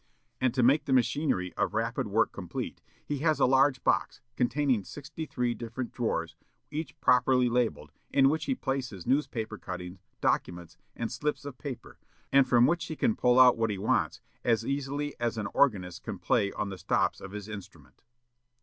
And, to make the machinery of rapid work complete, he has a large box, containing sixty three different drawers, each properly labelled, in which he places newspaper cuttings, documents, and slips of paper, and from which he can pull out what he wants as easily as an organist can play on the stops of his instrument."